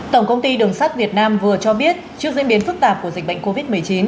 tổng công ty đường sắt việt nam vừa cho biết trước diễn biến phức tạp của dịch bệnh covid một mươi chín